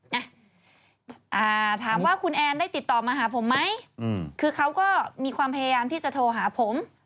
นะถามว่าคุณแอนได้ติดต่อมาหาผมไหมอืมคือเขาก็มีความพยายามที่จะโทรหาผม